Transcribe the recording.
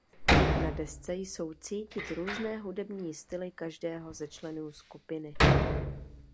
Na desce jsou cítit různé hudební styly každého ze členů skupiny.